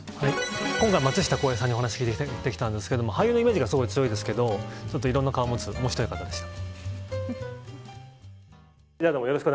今回、松下洸平さんにお話を聞いてきたんですけど俳優のイメージがすごい強いですけどいろんな顔を持つ面白い方でした。